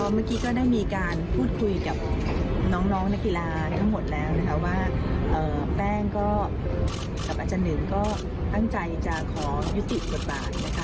เมื่อกี้ก็ได้มีการพูดคุยกับน้องนักกีฬาทั้งหมดแล้วนะคะว่าแป้งก็กับอาจารย์หนึ่งก็ตั้งใจจะขอยุติบทบาทนะคะ